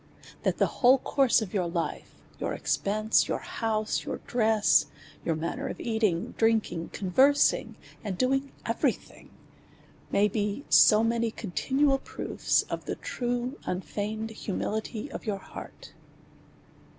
That the whole course of your life, your expence, your house, your dress, your manner of eating, drink ing, conversing, and doing every thing, may be so many continual proofs of the true unfeigned humility of your heart.